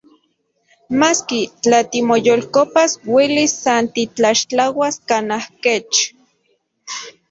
Maski, tla timoyolkopas, uelis san titlaxtlauas kanaj kech.